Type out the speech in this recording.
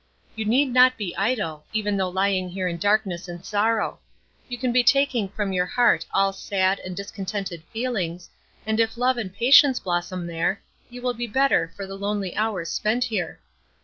You need not be idle, even though lying here in darkness and sorrow; you can be taking from your heart all sad and discontented feelings, and if love and patience blossom there, you will be better for the lonely hours spent here.